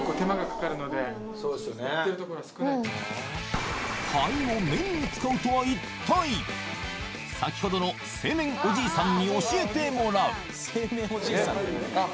そうですよねとは一体先ほどの製麺おじいさんに教えてもらうあっ